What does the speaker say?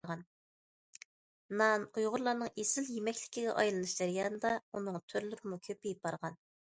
نان ئۇيغۇرلارنىڭ ئېسىل يېمەكلىكىگە ئايلىنىش جەريانىدا ئۇنىڭ تۈرلىرىمۇ كۆپىيىپ بارغان.